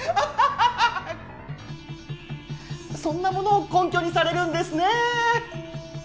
そんなものを根拠にされるんですね。